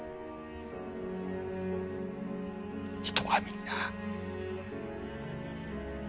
人はみんな。